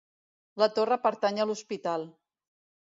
La torre pertany a l'hospital.